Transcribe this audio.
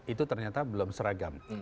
itu ternyata belum seragam